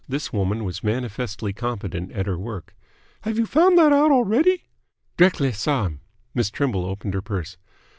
This woman was manifestly competent at her work. "Have you found that out already?" "D'rectly saw him." Miss Trimble opened her purse.